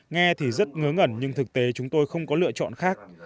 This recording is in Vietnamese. nghe thì rất ngớ ngẩn nhưng thực tế chúng tôi không có lựa chọn khác